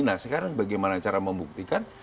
nah sekarang bagaimana cara membuktikan